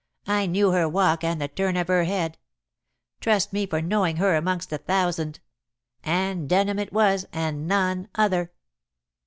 "I knew her walk and the turn of her head. Trust me for knowing her amongst a thousand. Anne Denham it was and none other."